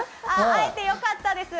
会えてよかったです。